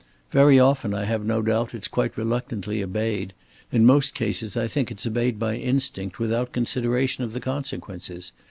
Very often, I have no doubt, it's quite reluctantly obeyed, in most cases I think it's obeyed by instinct, without consideration of the consequences.